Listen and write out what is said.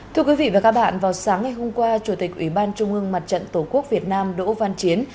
thưa quý vị và các bạn vào sáng ngày hôm qua chủ tịch ủy ban trung ương mặt trận tổ quốc việt nam đỗ văn chiến